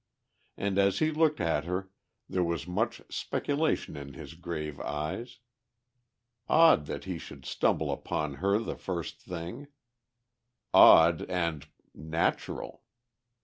And as he looked at her there was much speculation in his grave eyes. Odd that he should stumble upon her the first thing. Odd and natural....